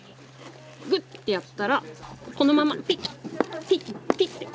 グってやったらこのままピッピッピッて。